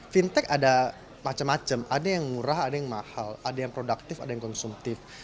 fintech ada macam macam ada yang murah ada yang mahal ada yang produktif ada yang konsumtif